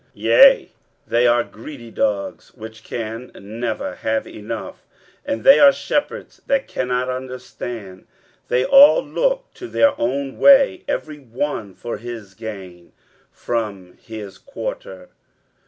23:056:011 Yea, they are greedy dogs which can never have enough, and they are shepherds that cannot understand: they all look to their own way, every one for his gain, from his quarter.